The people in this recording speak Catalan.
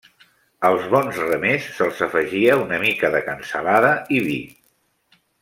Als bons remers se'ls afegia una mica de cansalada i vi.